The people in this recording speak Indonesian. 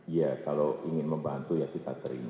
ya kalau ingin membantu ya kita terima